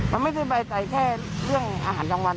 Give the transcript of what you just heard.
มันไม่ใช่ใบใจแค่เรื่องอาหารทั้งวัน